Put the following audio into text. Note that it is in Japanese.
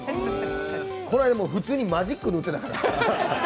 この間、普通にマジック塗ってたから。